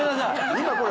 今これ。